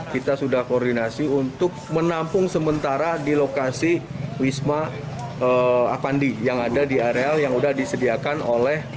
kita sudah koordinasi untuk menampung sementara di lokasi wisma avandi yang ada di areal yang sudah disediakan oleh